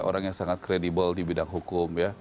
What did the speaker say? orang yang sangat kredibel di bidang hukum